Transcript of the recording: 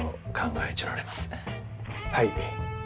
はい。